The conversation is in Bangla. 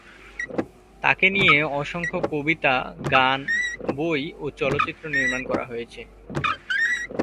তাকে নিয়ে অসংখ্য কবিতা, গান, বই ও চলচ্চিত্র নির্মাণ করা হয়েছে।